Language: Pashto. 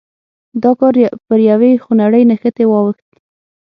دا کار پر یوې خونړۍ نښتې واوښت.